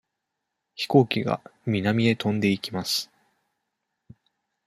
飛行機が南へ飛んでいきます。